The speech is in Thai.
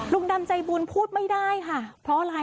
ดำใจบุญพูดไม่ได้ค่ะเพราะอะไร